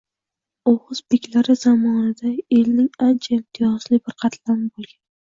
O’g’iz beklari zamonida elning ancha imtiyozli bir qatlami bo’lgan.